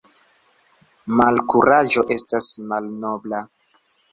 Malkuraĝo estas malnobla.